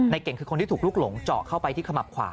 เก่งคือคนที่ถูกลุกหลงเจาะเข้าไปที่ขมับขวา